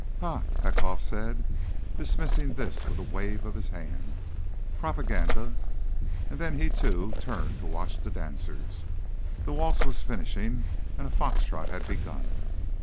"Ha," Petkoff said, dismissing this with a wave of his hand. "Propaganda." And then he, too, turned to watch the dancers. The waltz was finishing, and a fox trot had begun.